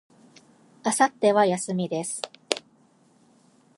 明後日は、休みです。